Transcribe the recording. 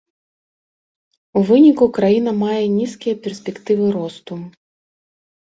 У выніку краіна мае нізкія перспектывы росту.